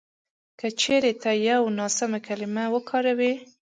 که چېرې ته یوه ناسمه کلیمه وکاروې